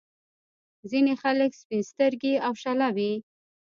ځينې خلک سپين سترګي او شله وي.